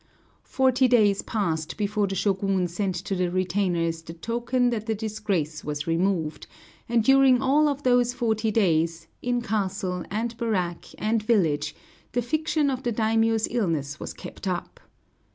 Forty days passed before the Shōgun sent to the retainers the token that the disgrace was removed, and during all those forty days, in castle and barrack and village, the fiction of the daimiō's illness was kept up.